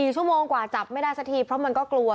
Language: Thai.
๔ชั่วโมงกว่าจับไม่ได้สักทีเพราะมันก็กลัว